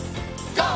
ＧＯ！